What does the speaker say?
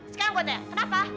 sekarang gue tanya kenapa